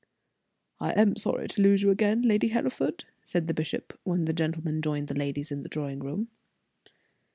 "I am sorry to lose you again, Lady Hereford," said the bishop, when the gentlemen joined the ladies in the drawing room.